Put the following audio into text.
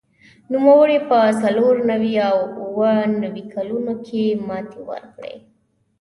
نوموړي په څلور نوي او اووه نوي کلونو کې ماتې ورکړې